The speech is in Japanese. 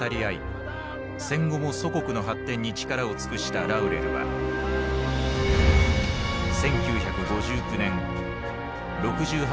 戦後も祖国の発展に力を尽くしたラウレルは１９５９年６８歳の生涯を閉じた。